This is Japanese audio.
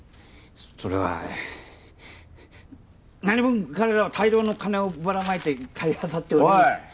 それはなにぶん彼らは大量の金をばらまいて買いあさっておりましておい！